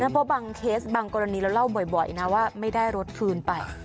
เพราะบางเคสบางกรณีเราเล่าบ่อยนะว่าไม่ได้รถคืนไป